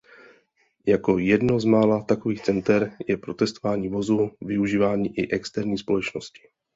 Jako jedno z mála takových center je pro testování vozů využívají i externí společnosti.